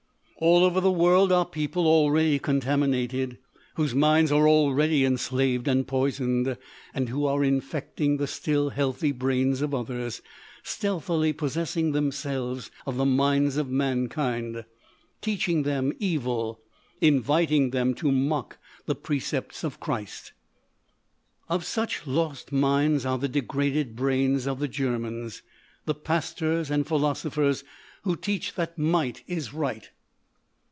"All over the world are people, already contaminated, whose minds are already enslaved and poisoned, and who are infecting the still healthy brains of others—stealthily possessing themselves of the minds of mankind—teaching them evil, inviting them to mock the precepts of Christ. "Of such lost minds are the degraded brains of the Germans—the pastors and philosophers who teach that might is right.